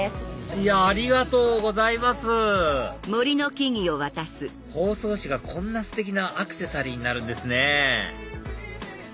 いやありがとうございます包装紙がこんなステキなアクセサリーになるんですね